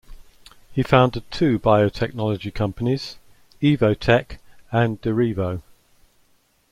He founded two biotechnology companies, "Evotec" and "Direvo".